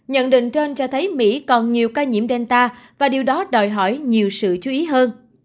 nhận định trên cho thấy mỹ còn nhiều ca nhiễm delta và điều đó đòi hỏi nhiều sự chú ý hơn